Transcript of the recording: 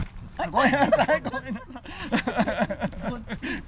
ごめんなさい。